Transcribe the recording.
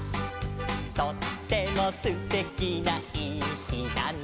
「とってもすてきないいひだね」